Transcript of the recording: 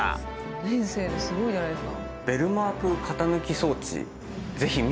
５年生ですごいじゃないですか。